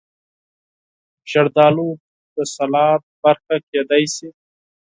زردالو د سلاد برخه کېدای شي.